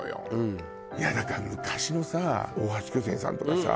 いやだから昔のさ大橋巨泉さんとかさ